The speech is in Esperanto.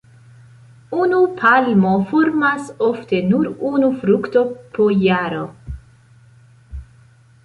Unu palmo formas ofte nur unu frukto po jaro.